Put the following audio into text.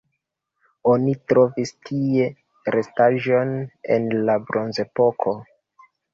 Oni trovis tie restaĵon el la bronzepoko.